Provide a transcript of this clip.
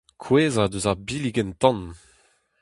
Kouezhañ eus ar billig en tan.